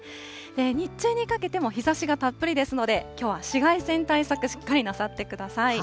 日中にかけても日ざしがたっぷりですので、きょうは紫外線対策、しっかりなさってください。